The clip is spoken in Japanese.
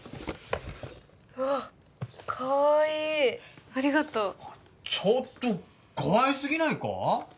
うわっかわいいありがとうちょっとかわいすぎないか？